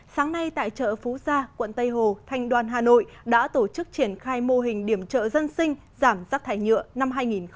sáng nay tại chợ phú gia quận tây hồ thanh đoan hà nội đã tổ chức triển khai mô hình điểm chợ dân sinh giảm rác thải nhựa năm hai nghìn một mươi chín